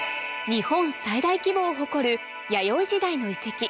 日本最大規模を誇る弥生時代の遺跡